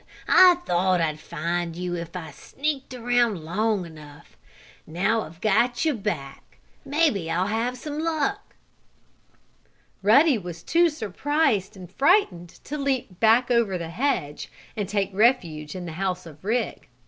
I thought I'd find you if I sneaked around long enough. Now I've got you back, maybe I'll have some luck!" Ruddy was too surprised and frightened to leap back over the hedge and take refuge in the house of Rick.